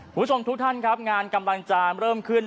คุณผู้ชมทุกท่านครับงานกำลังจะเริ่มขึ้น